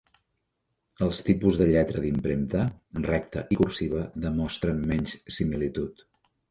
Els tipus de lletra d'impremta recta i cursiva demostren menys similitud.